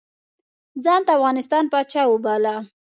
ځان د افغانستان پاچا وباله.